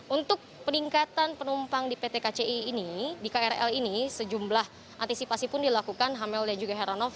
untuk peningkatan penumpang di pt kci ini di krl ini sejumlah antisipasi pun dilakukan amel dan juga heranov